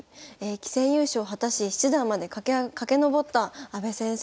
棋戦優勝を果たし七段まで駆けのぼった阿部先生。